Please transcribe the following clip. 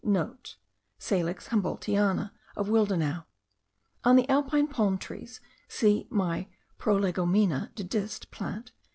(* Salix Humboldtiana of Willdenouw. On the alpine palm trees, see my Prolegomena de Dist. Plant.